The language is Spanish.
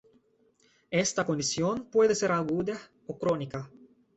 Esta condición puede ser aguda o crónica.